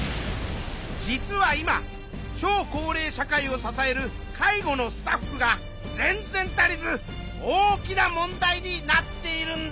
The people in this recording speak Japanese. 実は今超高齢社会を支える介護のスタッフが全然足りず大きな問題になっているんだ。